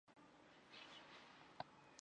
离母糕用四十八片非常整齐均匀的糕块。